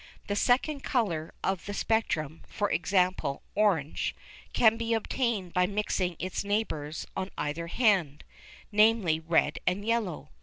The second colour of the spectrum, for example, orange, can be obtained by mixing its neighbours on either hand namely, red and yellow.